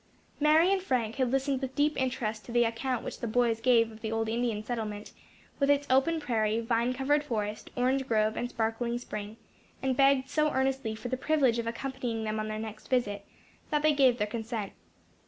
Mary and Frank had listened with deep interest to the account which the boys gave of the old Indian settlement, with its open prairie, vine covered forest, orange grove, and sparkling spring; and begged so earnestly for the privilege of accompanying them on their next visit, that they gave their consent.